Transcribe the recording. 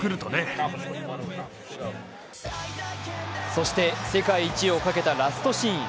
そして世界一をかけたラストシーン。